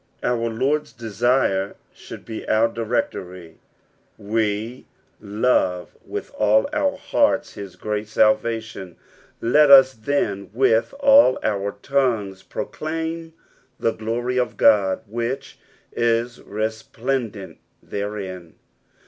Our Lord's desire should be our directory ; we love with all our hearts his great salvation, let us then, with all our tongues proclaim the glory of Ood which is resplendent therein.